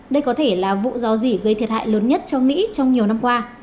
đây có thể là vụ rò rỉ gây thiệt hại lớn nhất cho mỹ trong nhiều năm qua